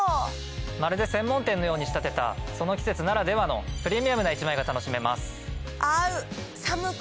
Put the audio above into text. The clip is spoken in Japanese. まるで専門店のように仕立てたその季節ならではの。が楽しめます。